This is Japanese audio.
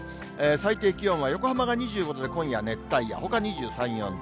最低気温は横浜が２５度で、今夜熱帯夜、ほか２３、４度。